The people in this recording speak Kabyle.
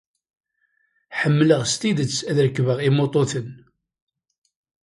Ḥemmleɣ s tidet ad rekbeɣ imuṭuten.